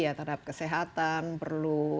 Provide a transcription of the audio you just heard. ya terhadap kesehatan perlu